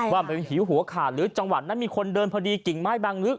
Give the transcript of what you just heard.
ว่าเป็นหิวหัวขาดหรือจังหวัดนั้นมีคนเดินพอดีกิ่งไม้บางลึก